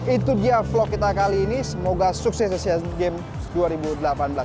itu dia vlog kita kali ini semoga sukses di sea games dua ribu delapan belas